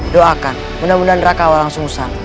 doakan mudah mudahan raka walang sungsang